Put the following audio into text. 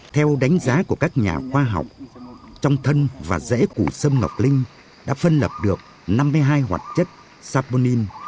theo đánh giá của các nhà khoa học trong thân và rễ của sâm ngọc linh đã phân lập được năm mươi hai hoạt chất saponin